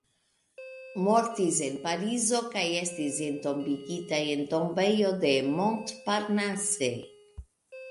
Mortis en Parizo kaj estis entombigita en Tombejo de Montparnasse.